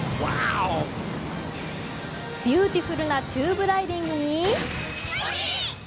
ビューティフルなチューブライディングに。